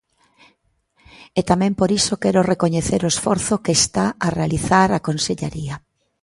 E tamén por iso quero recoñecer o esforzo que está a realizar a consellaría.